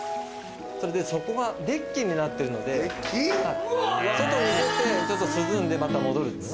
それでそこがデッキになってるので外に出て涼んでまた戻る。